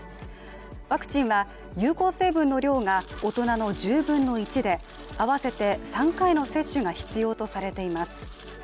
ワクチンは有効成分の量が大人の１０分の１で合わせて３回の接種が必要とされています。